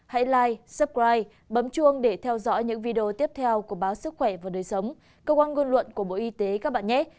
hãy live suppride bấm chuông để theo dõi những video tiếp theo của báo sức khỏe và đời sống cơ quan ngôn luận của bộ y tế các bạn nhét